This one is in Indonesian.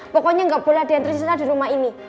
pokoknya gak boleh diantresin aja di rumah ini